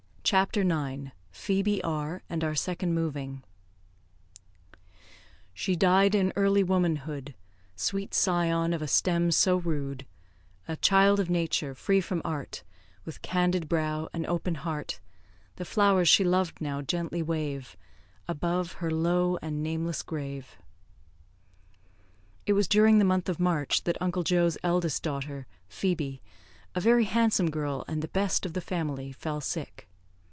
CHAPTER IX PHOEBE R , AND OUR SECOND MOVING "She died in early womanhood, Sweet scion of a stem so rude; A child of Nature, free from art, With candid brow and open heart; The flowers she loved now gently wave Above her low and nameless grave." It was during the month of March that Uncle Joe's eldest daughter, Phoebe, a very handsome girl, and the best of the family, fell sick.